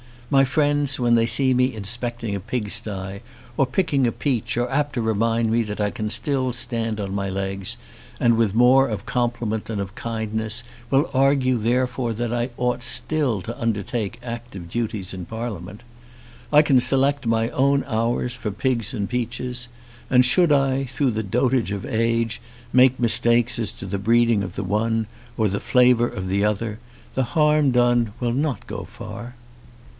My friends when they see me inspecting a pigsty or picking a peach are apt to remind me that I can still stand on my legs, and with more of compliment than of kindness will argue therefore that I ought still to undertake active duties in Parliament. I can select my own hours for pigs and peaches, and should I, through the dotage of age, make mistakes as to the breeding of the one or the flavour of the other, the harm done will not go far.